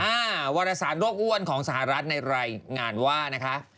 วรสารโรคอ้วนของสหรัฐในรายงานว่านะคะ